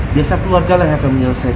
biasa keluarganya yang akan menyelesaikan